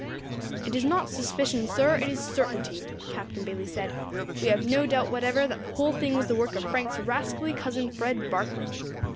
"It is not suspicion, sir, it is certainty," Captain Bayley said; "we have no doubt whatever that the whole thing was the work of Frank's rascally cousin, Fred Barkley.